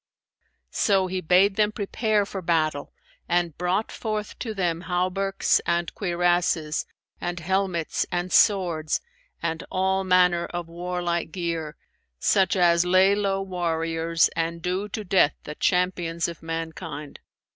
So he bade them prepare for battle and brought forth to them hauberks and cuirasses and helmets and swords and all manner of warlike gear, such as lay low warriors and do to death the champions of mankind.